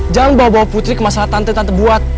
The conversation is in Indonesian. jangan bawa bawa putri ke masalah tante tante buat